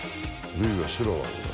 麺が白なんだ。